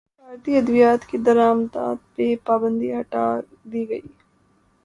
بھارتی ادویات کی درمدات پر پابندی ہٹادی گئی